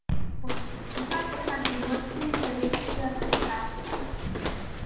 Потсетување на животните лекции од приказните